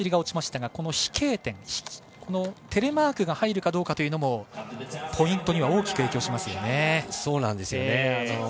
この飛型点のテレマークが入るかどうかというのもポイントには大きく影響しますよね。